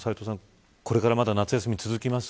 これから夏休み続きます。